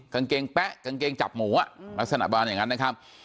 กางเกงแป๊ะกางเกงจับหมูอ่ะลักษณะประมาณอย่างนั้นนะครับ